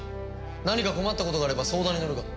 何か困ったことがあれば相談に乗るが。